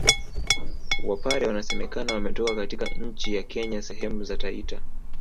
Wapare wanasemekana wametoka katika nchi ya Kenya sehemu za Taita